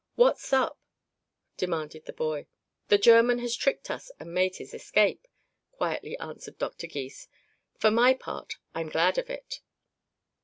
"What's up?" demanded the boy. "The German has tricked us and made his escape," quietly answered Dr. Gys. "For my part, I'm glad of it."